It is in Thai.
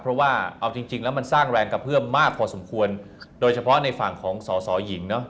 เพราะว่าเอาจริงจริงแล้วมันสร้างแรงกระเพื่อมมากพอสมควรโดยเฉพาะในฝั่งของสอสอหญิงเนอะ